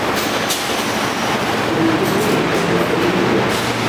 Прадстаўнікі бундаўцаў гаварылі многа.